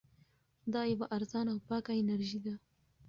دا یوه ارزانه او پاکه انرژي ده.